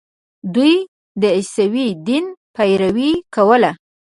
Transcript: دوی د عیسوي دین پیروي کوله.